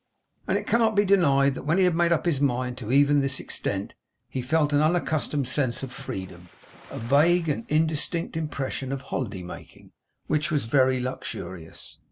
And it cannot be denied that, when he had made up his mind to even this extent, he felt an unaccustomed sense of freedom a vague and indistinct impression of holiday making which was very luxurious.